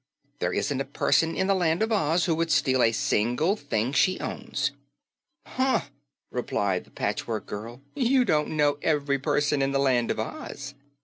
There isn't a person in the Land of Oz who would steal a single thing she owns." "Huh!" replied the Patchwork Girl. "You don't know ev'ry person in the Land of Oz."